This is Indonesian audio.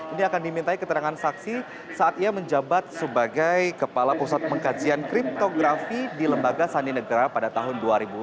ini akan dimintai keterangan saksi saat ia menjabat sebagai kepala pusat pengkajian kriptografi di lembaga sandi negara pada tahun dua ribu dua